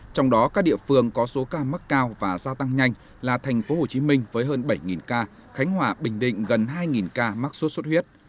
trong đó các địa phương có số ca mắc cao và gia tăng nhanh là tp hcm với hơn bảy ca khánh hòa bình định gần hai ca mắc sốt xuất huyết